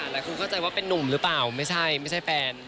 หลายคนเข้าใจว่าเป็นนุ่มหรือเปล่าไม่ใช่ไม่ใช่แฟน